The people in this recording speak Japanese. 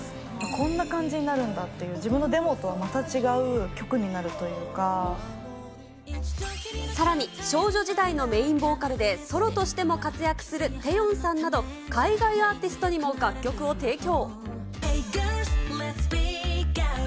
こんな感じになるんだっていう、自分のデモとはまた違う曲になるさらに、少女時代のメインボーカルでソロとしても活躍するテヨンさんなど、海外アーティストにも楽曲を提供。